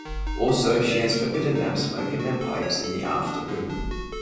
Also, she has forbidden them smoking their pipes in the after-room.